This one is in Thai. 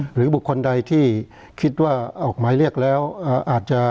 หรือบุคคลใดที่คิดว่าออกหมายเรียกแล้วอาจจะ